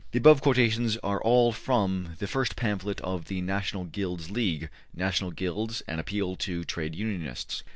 The above quotations are all from the first pamphlet of the National Guilds League, ``National Guilds, an Appeal to Trade Unionists.''